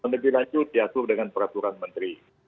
lebih lanjut diatur dengan peraturan menteri